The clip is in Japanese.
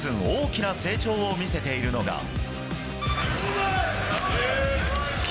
大きな成長を見せているのが。